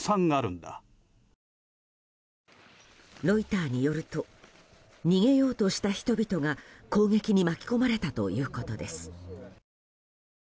ロイターによると逃げようとした人々が攻撃に巻き込まれたということです。